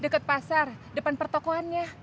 deket pasar depan pertokoannya